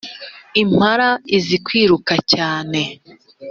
impala izikwiruka cyane.